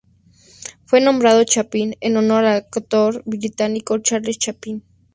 Fue nombrado Chaplin en honor al actor británico Charles Chaplin.